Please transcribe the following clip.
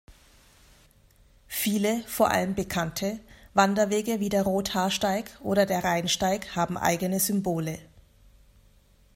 Viele, vor allem bekannte, Wanderwege wie der Rothaarsteig oder der Rheinsteig haben eigene Symbole.